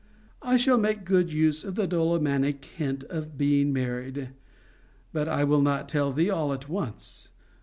I shall make good use of the Dolemanic hint of being married. But I will not tell thee all at once.